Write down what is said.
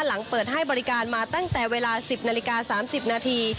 หลังเปิดให้บริการมาตั้งแต่เวลา๑๐นาฬิกา๓๐นาที